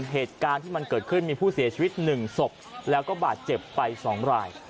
เหตุการณ์ที่มันเกิดขึ้นมีผู้เสียชีวิต๑ศพแล้วก็บาดเจ็บไป๒ราย